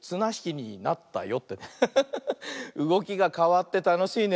うごきがかわってたのしいね。